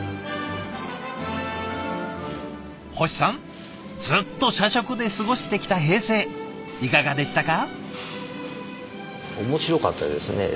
星さんずっと社食で過ごしてきた平成いかがでしたか？